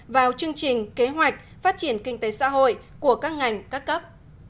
vào chương trình kế hoạch phát triển kinh tế xã hội của các ngành các cấp